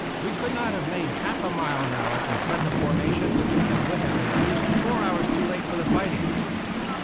We could not have made half a mile an hour in such a formation, and would have been at least four hours too late for the fighting.